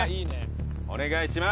お願いします！